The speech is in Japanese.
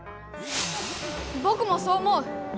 ぼくもそう思う。